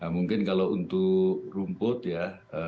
mungkin kalau untuk rumput ya